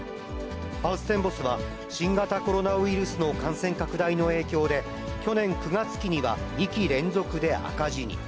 ハウステンボスは、新型コロナウイルスの感染拡大の影響で、去年９月期には２期連続で赤字に。